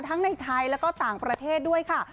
ในไทยแล้วก็ต่างประเทศด้วยค่ะ